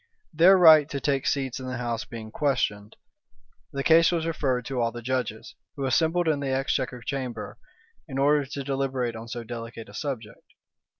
Their right to take seats in the house being questioned, the case was referred to all the judges, who assembled in the exchequer chamber, in order to deliberate on so delicate a subject.